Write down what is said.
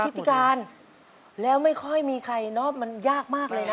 แม้จะเหนื่อยหล่อยเล่มลงไปล้องลอยผ่านไปถึงเธอ